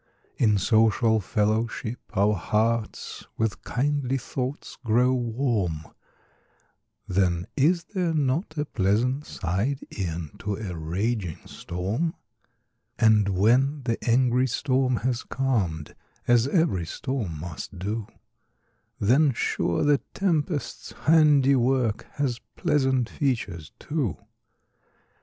In social fellowship, our hearts With kindly thoughts grow warm; Then is there not a pleasant side, E'en to a raging storm? And when the angry storm has calm'd, As ev'ry storm must do, Then, sure, the tempest's handiwork, Has pleasant features, too.